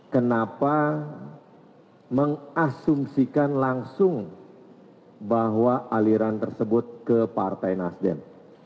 kenapa mengasumsikan langsung bahwa aliran tersebut ke partai nasdem